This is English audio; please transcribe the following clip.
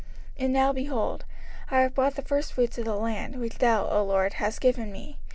05:026:010 And now, behold, I have brought the firstfruits of the land, which thou, O LORD, hast given me.